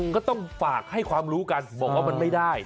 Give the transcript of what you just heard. ก็ต้องฝากให้ความรู้กันบอกว่ามันไม่ได้